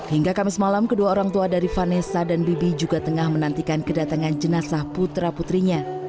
hingga kamis malam kedua orang tua dari vanessa dan bibi juga tengah menantikan kedatangan jenazah putra putrinya